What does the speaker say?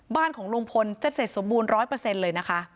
บ้านของลุงพลจะเสร็จสมบูรณ์๑๐๐เลยนะคะ